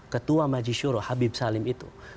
ketua majisyuro habib salim itu